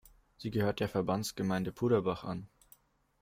Sie gehört der Verbandsgemeinde Puderbach an.